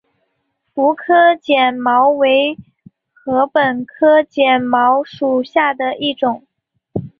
佛利碱茅为禾本科碱茅属下的一个种。